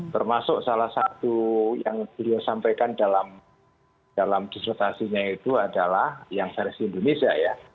termasuk salah satu yang beliau sampaikan dalam dissultasinya itu adalah yang versi indonesia ya